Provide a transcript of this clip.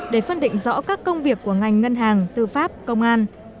để phân định rõ các công việc của ngành ngân hàng tư pháp công an